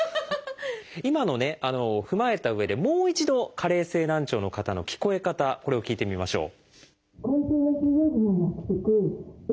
今のを踏まえたうえでもう一度加齢性難聴の方の聞こえ方これを聞いてみましょう。